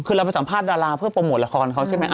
คือเราไปสัมภาษณ์ดาราเพื่อโปรโมทละครเขาใช่ไหม